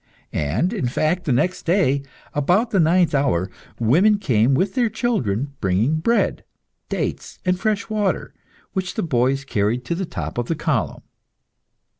And, in fact, the next day, about the ninth hour, women came with their children, bringing bread, dates, and fresh water, which the boys carried to the top of the column.